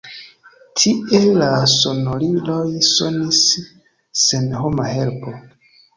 Tie la sonoriloj sonis sen homa helpo.